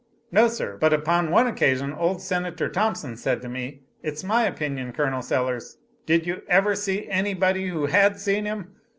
"No, Sir. But upon one occasion, old Senator Thompson said to me, its my opinion, Colonel Sellers" "Did you ever see any body who had seen him?"